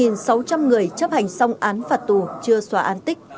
một trăm năm mươi một sáu trăm linh người chấp hành xong án phạt tù chưa xóa an tích